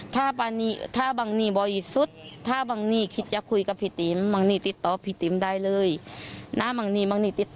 แต่น้องป้าไม่เคยคิดฆ่าใคร